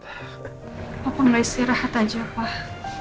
apa enggak istirahat aja pak